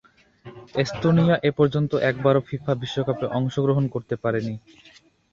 Estonia এপর্যন্ত একবারও FIFA বিশ্বকাপে অংশগ্রহণ করতে পারেনি।